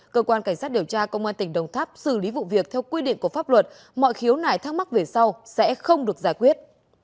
cơ quan cảnh sát điều tra công an tỉnh đồng tháp xử lý vụ việc theo quy định của pháp luật mọi khiếu nải thắc mắc về sau sẽ không được giải quyết